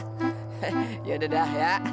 hehehe yaudah dah ya